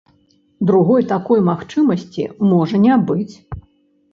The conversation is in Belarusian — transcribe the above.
Другой такой магчымасці можа не быць.